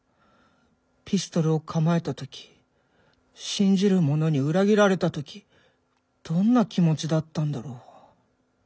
ピストルを構えた時信じる者に裏切られた時どんな気持ちだったんだろう。